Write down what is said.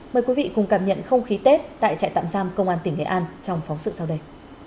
mời quý vị cùng cảm nhận không khí tết tại trại tạm giam công an tỉnh nghệ an trong phóng sự sau đây